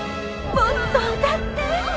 もっと歌って。